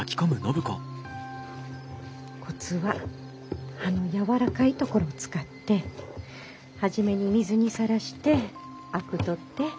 コツは葉のやわらかい所を使って初めに水にさらしてあく取って。